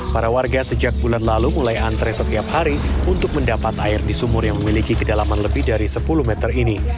para warga sejak bulan lalu mulai antre setiap hari untuk mendapat air di sumur yang memiliki kedalaman lebih dari sepuluh meter ini